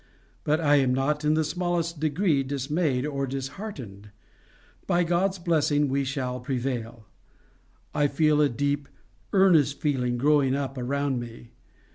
But I am not in the smallest degree dismayed or disheartened. By God's blessing we shall prevail. I feel a deep, earnest feeling growing up around me.